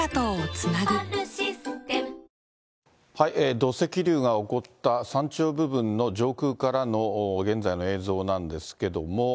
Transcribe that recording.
土石流が起こった山頂部分の上空からの現在の映像なんですけども。